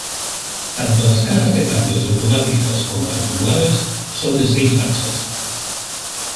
Tanto las cajas de cambios automáticas como las manuales son de seis marchas.